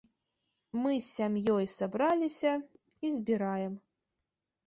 Мы сям'ёй сабраліся і збіраем.